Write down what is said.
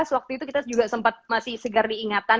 waktu itu kita juga sempat masih segar diingatan